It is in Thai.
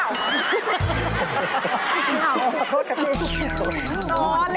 ไม่เอาโทษครับพี่